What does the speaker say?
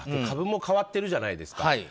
株も変わってるじゃないですか。